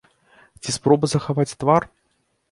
Ці спроба захаваць твар?